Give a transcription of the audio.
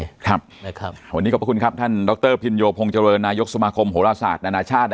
วันนี้ขอบคุณครับท่านดรพิมโยยพงศ์เจริญนายกสมหาคมโหลาสาชนนาชาติ